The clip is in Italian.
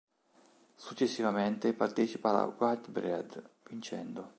Successivamente partecipa alla Whitbread, vincendo.